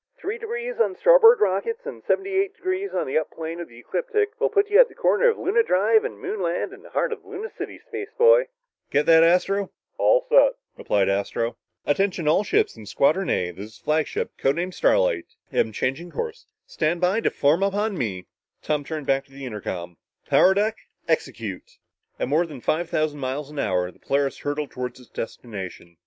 "Three degrees on the starboard rockets, seventy eight degrees on the up plane of the ecliptic will put you at the corner of Luna Drive and Moonset Land in the heart of Luna City, spaceboy!" answered Roger. "Get that, Astro?" asked Tom on the intercom. "All set," replied Astro. "Attention all ships in Squadron A this is flagship code name Starlight am changing course. Stand by to form up on me!" Tom turned back to the intercom. "Power deck, execute!" At more than five thousand miles an hour, the Polaris hurtled toward its destination.